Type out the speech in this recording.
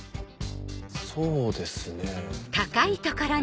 そうですねぇ。